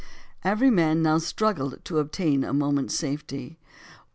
Every man now struggled to obtain a moment's safety.